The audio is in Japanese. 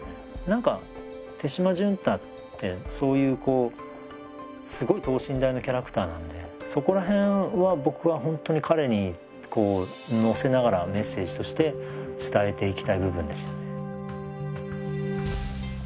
何か手嶋純太ってそういうこうすごい等身大のキャラクターなんでそこら辺は僕はほんとに彼にこうのせながらメッセージとして伝えていきたい部分ですよね。